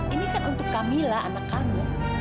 ini kan untuk kamila anak kamu